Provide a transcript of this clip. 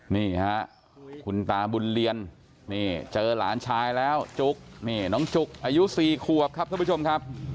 นี่ครับคุณตาบุญเรียนเจอหลานชายแล้วน้องจุกอายุสี่ขวบครับท่านผู้ชมครับ